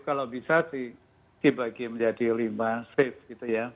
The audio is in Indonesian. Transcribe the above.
kalau bisa sih dibagi menjadi lima shift gitu ya